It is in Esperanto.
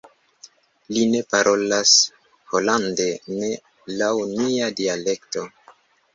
Li ne parolas holande, nek laŭ nia dialekto.